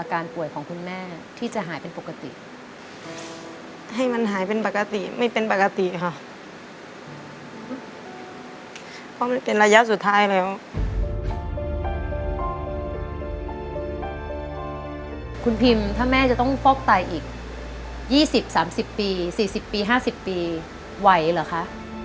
คุณพิมแม่จะต้องฟอกไตอีก๒๐๓๐ปี๔๐ปี๕๐ปีไหวเหรอคะ